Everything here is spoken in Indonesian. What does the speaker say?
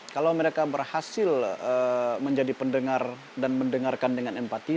kalau mereka berhasil menjadi pendengar dan mendengarkan dengan empati